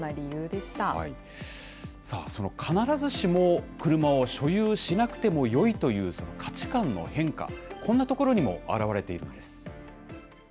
さあ、その必ずしも車を所有しなくてもよいという、その価値観の変化、こんなところにも表れ